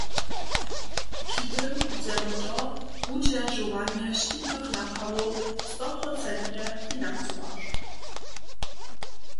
Při tym dźe wo to, wudźeržowanje škitnych naprawow stoprocentnje financować.